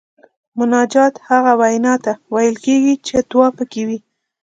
مناجات هغې وینا ته ویل کیږي چې دعا پکې وي.